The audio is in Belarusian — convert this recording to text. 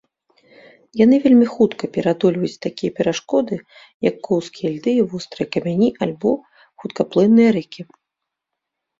Яны вельмі хутка пераадольваюць такія перашкоды, як коўзкія льды, вострыя камяні альбо хуткаплынныя рэкі.